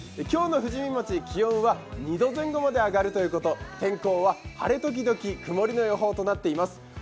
今日の富士見町、気温は２度前後まで上がるとのこと天候は晴れ時々くもりの予報となっています。